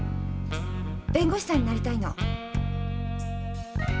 弁護士さんになりたいの。